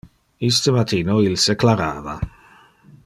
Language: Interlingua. Iste matino il se clarava.